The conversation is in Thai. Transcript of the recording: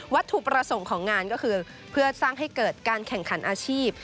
ถูกประสงค์ของงานก็คือเพื่อสร้างให้เกิดการแข่งขันอาชีพ